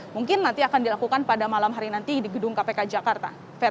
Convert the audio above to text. mungkin nanti akan dilakukan pada malam hari nanti di gedung kpk jakarta